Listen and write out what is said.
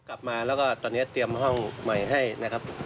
กลับมาแล้วก็ตอนนี้เตรียมห้องใหม่ให้นะครับ